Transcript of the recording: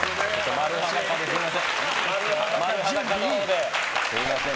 丸裸で、すみません。